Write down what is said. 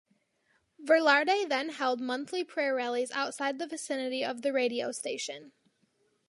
Velarde then held monthly prayer rallies outside the vicinity of the radio station.